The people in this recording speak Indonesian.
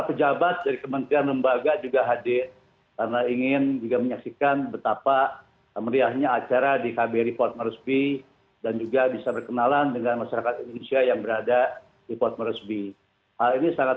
pesta rakyat mengusung hari kemerdekaan di port moresby papua nugini berlangsung khidmat